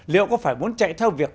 liệu có phải muốn chạy theo việc